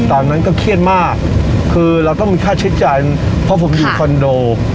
ตอนนั้นก็เครียดมากคือเราต้องมีค่าใช้จ่ายเพราะผมอยู่คอนโด